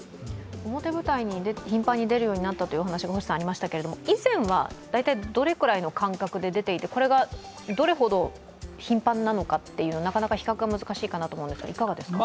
表舞台に頻繁に出るという話がありましたけど以前は大体どれくらいの間隔で出ていて、これがどれほど頻繁なのかというなかなか比較は難しいと思うんですが、いかがですか。